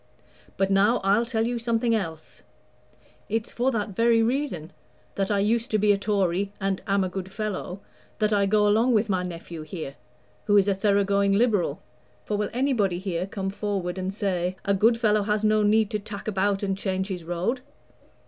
But now I'll tell you something else. It's for that very reason that I used to be a Tory, and am a good fellow that I go along with my nephew here, who is a thorough going Liberal. For will anybody here come forward and say, 'A good fellow has no need to tack about and change his road?'